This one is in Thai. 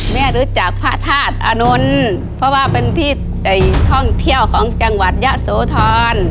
รู้จักพระธาตุอานนท์เพราะว่าเป็นที่ท่องเที่ยวของจังหวัดยะโสธร